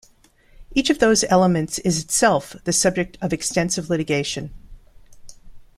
Each of those elements is itself the subject of extensive litigation.